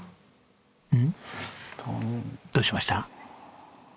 うん？どうしました？